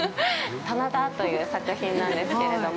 「棚田」という作品なんですけれども。